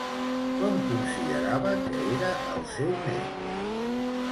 Com considerava que era el seu net?